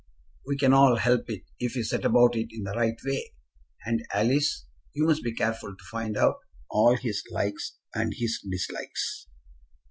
"We can all help it, if we set about it in the right way. And Alice, you must be careful to find out all his likes and his dislikes.